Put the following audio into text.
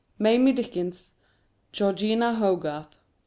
MAMIE DICKENS. GEORGINA HOGARTH.